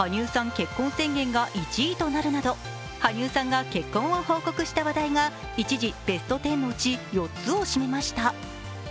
結婚宣言が１位となるなど羽生さんが結婚を報告した話題が一時、ベスト１０のうち４つを占めました。